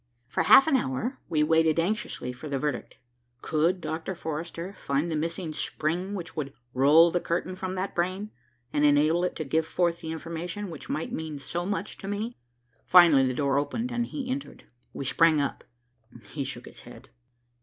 For half an hour we waited anxiously for the verdict. Could Dr. Forrester find the missing spring which would roll the curtain from that brain, and enable it to give forth the information which might mean so much to me? Finally the door opened and he entered. We sprang up. He shook his head.